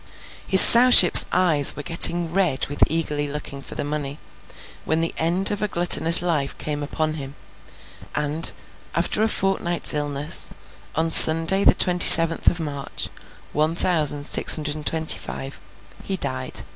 His Sowship's eyes were getting red with eagerly looking for the money, when the end of a gluttonous life came upon him; and, after a fortnight's illness, on Sunday the twenty seventh of March, one thousand six hundred and twenty five, he died.